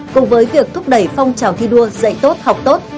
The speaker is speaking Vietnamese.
cùng với việc thúc đẩy phong trào thi đua dạy tốt học tốt